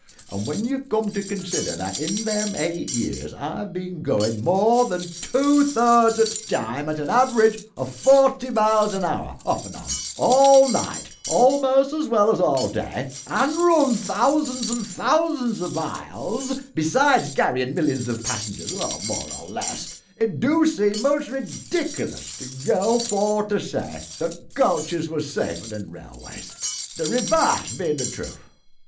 An' w'en you come to consider that in them eight years I've bin goin' more than two thirds o' the time at an average o' forty mile an hour off an' on all night a'most as well as all day, an' run thousands and thousands o' miles, besides carryin' millions of passengers, more or less, it do seem most rediklous to go for to say that coaches was safer than railways the revarse bein' the truth.